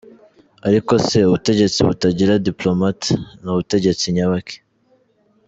Ariko se, ubutegetsi butagira “diplomatie”, ni butegetsi nyabaki?!